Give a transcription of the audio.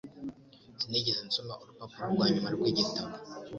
Sinigeze nsoma urupapuro rwanyuma rw'igitabo.